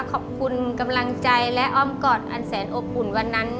ขอบคุณกำลังใจและอ้อมกอดอันแสนอบอุ่นวันนั้น